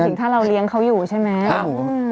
ถึงถ้าเราเลี้ยงเขาอยู่ใช่ไหม